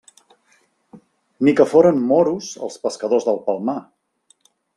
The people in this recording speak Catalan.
Ni que foren moros els pescadors del Palmar!